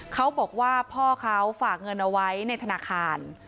เขาบอกว่าพ่อเขาฝากเงินเอาไว้ในธนาคาร